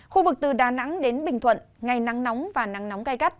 khu vực từ đà nẵng đến bình thuận ngày nắng nóng và nắng nóng cay cắt